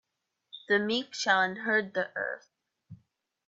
The meek shall inherit the earth.